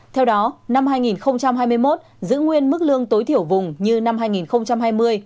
theo đó năm hai nghìn hai mươi một giữ nguyên mức lương tối thiểu vùng như năm hai nghìn hai mươi